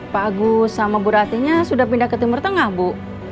pak agus sama bu ratinya sudah pindah ke timur tengah bu